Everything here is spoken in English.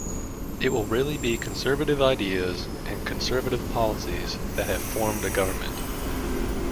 It will really be Conservative ideas and Conservative policies that have formed a government.